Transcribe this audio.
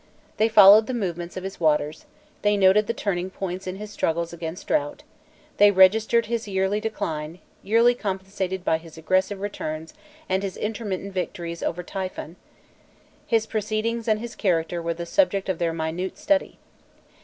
They followed the movements of his waters; they noted the turning points in his struggles against drought; they registered his yearly decline, yearly compensated by his aggressive returns and his intermittent victories over Typhon; his proceedings and his character were the subject of their minute study.